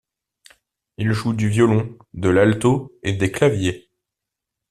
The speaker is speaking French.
Il joue du violon, de l'alto et des claviers.